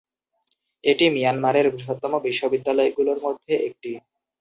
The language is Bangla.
এটি মিয়ানমারের বৃহত্তম বিশ্ববিদ্যালয়গুলোর মধ্যে একটি।